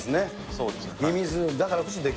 そうですね。